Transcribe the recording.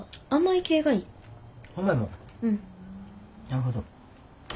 なるほど。